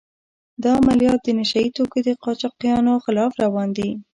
دا عملیات د نشه يي توکو د قاچاقچیانو خلاف روان دي.